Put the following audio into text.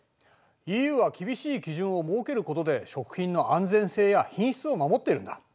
ＥＵは厳しい基準を設けることで食品の安全性や品質を守っているんだ。